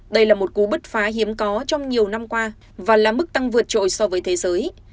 đây là một cú bứt phá hiếm có trong nhiều năm qua và là mức tăng vượt trội so với thế giới